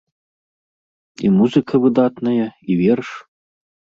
І музыка выдатная, і верш.